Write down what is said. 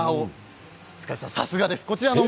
塚地さん、さすがです。